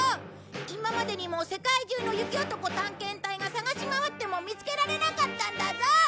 今までにも世界中の雪男探検隊が探し回っても見つけられなかったんだぞ！